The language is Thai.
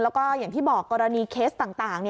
แล้วก็อย่างที่บอกกรณีเคสต่าง